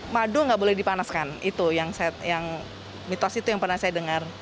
madu tidak boleh dipanaskan itu yang mitos itu yang pernah saya dengar